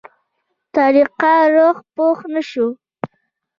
طريقه روح پوه نه شو.